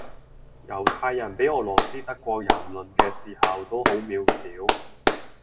猶太人畀俄羅斯德國蹂躪嘅時候都好渺小